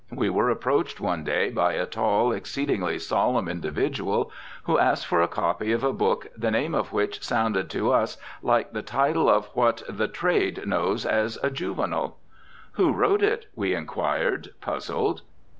We were approached one day by a tall, exceedingly solemn individual who asked for a copy of a book the name of which sounded to us like the title of what "the trade" knows as "a juvenile." "Who wrote it?" we inquired, puzzled.